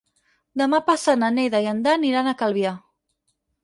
Demà passat na Neida i en Dan iran a Calvià.